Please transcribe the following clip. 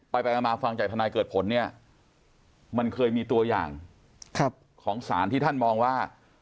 ไปไปมาฟังจากทนายเกิดผลเนี่ยมันเคยมีตัวอย่างของสารที่ท่านมองว่า